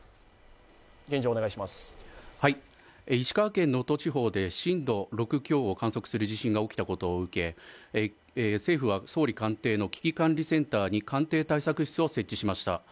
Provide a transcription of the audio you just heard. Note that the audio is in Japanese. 石川県能登地方で震度６強を観測する地震が起きたことを受け政府は総理官邸の危機管理センターに官邸対策室を設置しました。